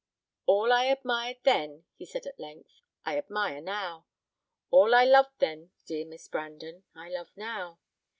"All I admired then," he said at length, "I admire now. All I loved then, dear Miss Brandon, I love now.